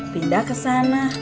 pindah ke sana